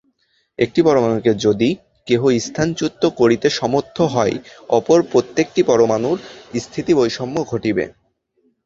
একটি পরমাণুকে যদি কেহ স্থানচ্যুত করিতে সমর্থ হয়, অপর প্রত্যেকটি পরমাণুর স্থিতিবৈষম্য ঘটিবে।